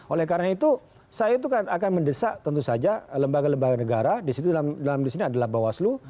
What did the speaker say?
oleh karena itu saya itu akan mendesak tentu saja lembaga lembaga negara dalam di sini adalah bawaslu